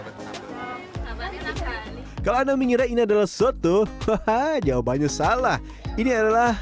indonesia dulu air raja malam poetisi banget caba main tadi kalau pernah merintek ini adalah soto hahaha jawabannya salah ini adalah